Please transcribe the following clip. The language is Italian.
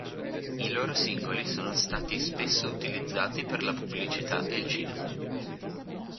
I loro singoli sono stati spesso utilizzati per la pubblicità e il cinema.